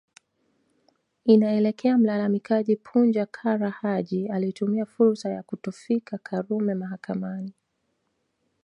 Inaelekea mlalamikaji Punja Kara Haji alitumia fursa ya kutofika Karume mahakamani